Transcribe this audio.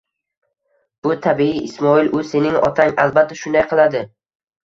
Bu — tabiiy, Ismoil, u — sening otang. Albatta shunday qiladi.